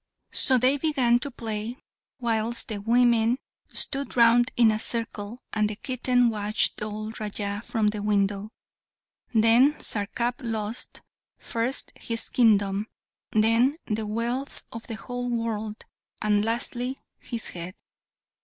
So they began to play, whilst the women stood round in a circle, and the kitten watched Dhol Raja from the window. Then Sarkap lost, first his kingdom, then the wealth of the whole world, and lastly his head.